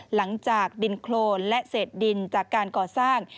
หลังจากดินโครนและเศษดินจากการก่อสร้าง